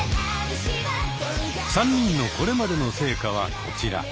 ３人のこれまでの成果はこちら。